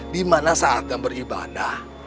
dimana saatnya beribadah